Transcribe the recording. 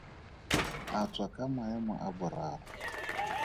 A tswa ka maemo a boraro.